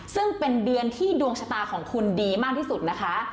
ซึ่งเป็นเดือนที่ดวงชะตาของคุณดีมากที่สุดนะคะ